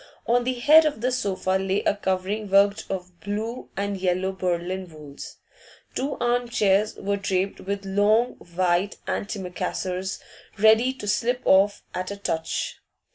On the head of the sofa lay a covering worked of blue and yellow Berlin wools. Two arm chairs were draped with long white antimacassars, ready to slip off at a touch.